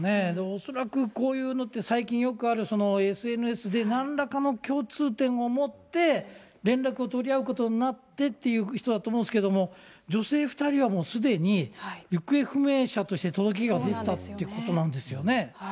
恐らくこういうのって、最近よくあるＳＮＳでなんらかの共通点を持って、連絡を取り合うことになってっていう人だと思うんですけれども、女性２人はもうすでに行方不明者として届が出てたってことなんですよね。